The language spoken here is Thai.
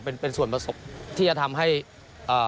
เป็นเป็นส่วนประสบที่จะทำให้เอ่อ